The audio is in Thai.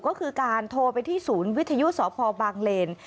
ก็คือการโทรไปที่ศูนย์วิทยุสพบางเลน